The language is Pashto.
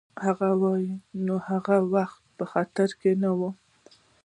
هغې وویل: نو هغه وخت په خطره کي نه وې؟